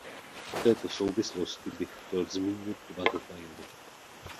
V této souvislosti bych chtěl zmínit dva detaily.